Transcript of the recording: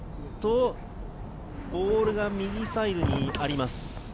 ボールが右サイドにあります。